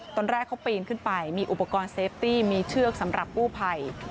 ตอนแรกเขาปีนขึ้นไปมีอุปกรณ์เซฟตี้มีเชือกสำหรับกู้ภัย